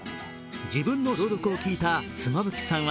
自分の朗読を聴いた妻夫木さんは